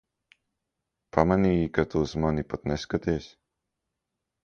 Pamanīji, ka tu uz mani pat neskaties?